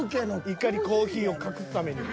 いかにコーヒーを隠すために。